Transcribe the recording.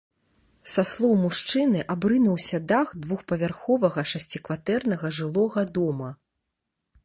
Са слоў мужчыны, абрынуўся дах двухпавярховага шасцікватэрнага жылога дома.